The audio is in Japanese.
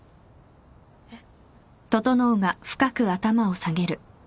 えっ？